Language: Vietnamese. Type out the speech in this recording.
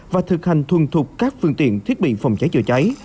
và thực hành thuần thuộc các phương tiện thiết bị phòng cháy chữa cháy